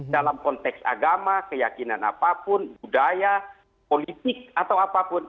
dalam konteks agama keyakinan apapun budaya politik atau apapun